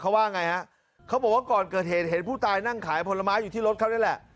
เขาว่าไงฮะเขาบอกว่าก่อนเกิดเหตุเห็นผู้ตายนั่งขายผลไม้อยู่ที่รถเขานี่แหละ